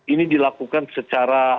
ini dilakukan secara